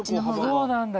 そうなんだ。